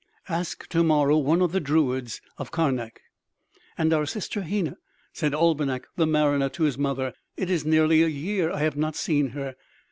"Ask to morrow one of the druids of Karnak." "And our sister Hena," said Albinik the mariner to his mother. "It is nearly a year I have not seen her....